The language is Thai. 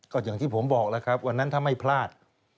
ก็อย่างที่ผมบอกแล้วครับวันนั้นถ้าไม่พลาด